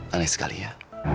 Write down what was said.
aneh sekali ya